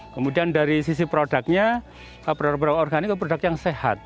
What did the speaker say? kemudian dari sisi produknya produk produk organik itu produk yang sehat